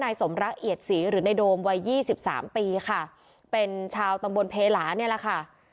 สมรักเอียดศรีหรือในโดมวัยยี่สิบสามปีค่ะเป็นชาวตำบลเพลาเนี่ยแหละค่ะ